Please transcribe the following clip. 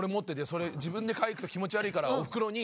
それ自分で買い行くと気持ち悪いからおふくろに。